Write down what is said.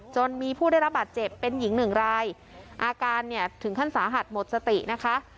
จนมีผู้ได้รับบาดเจ็บเป็นหญิงหนึ่งรายอาการเนี่ยถึงขั้นสาหัสหมดสตินะคะ